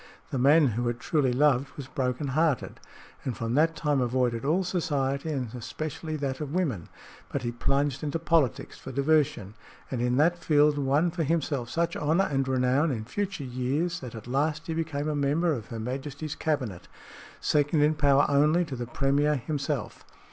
The man who had truly loved was broken hearted, and from that time avoided all society and especially that of women. But he plunged into politics for diversion, and in that field won for himself such honor and renown in future years that at last he became a member of Her Majesty's cabinet, second in power only to the Premier himself.